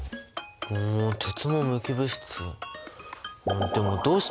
お鉄も無機物質。